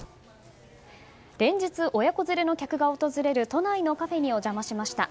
連日、親子連れの客が訪れる都内のカフェにお邪魔しました。